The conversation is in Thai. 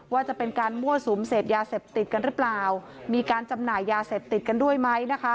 ว่าจะเป็นการมั่วสุมเสพยาเสพติดกันหรือเปล่ามีการจำหน่ายยาเสพติดกันด้วยไหมนะคะ